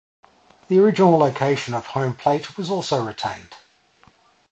The original location of home plate was also retained.